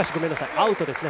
アウトですね。